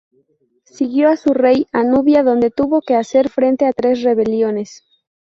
Siguió a su rey a Nubia, donde tuvo que hacer frente a tres rebeliones.